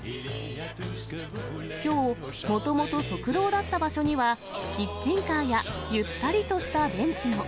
きょう、もともと側道だった場所には、キッチンカーや、ゆったりとしたベンチも。